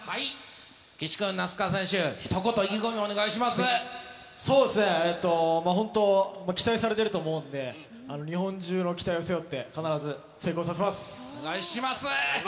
岸君、那須川選手、そうですね、えっと、本当、期待されてると思うんで、日本中の期待を背負って、必ず成功させお願いします。